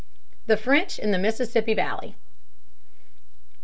The French in the Mississippi Valley.